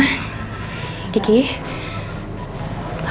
aku minta tolong banget sama kalian berdua